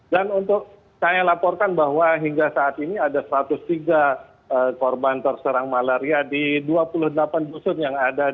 dan untuk saya laporkan bahwa hingga saat ini ada satu ratus tiga korban terserang malaria di dua puluh delapan busur yang ada di sepuluh desa di kabupaten